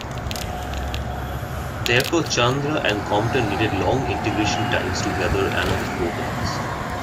Therefore, Chandra and Compton needed long integration times to gather enough photons.